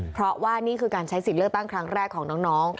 เพราะว่านี่คือการใช้สิทธิ์เลือกตั้งครั้งแรกของน้อง